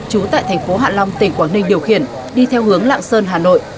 trú tại thành phố hạ long tỉnh quảng ninh điều khiển đi theo hướng lạng sơn hà nội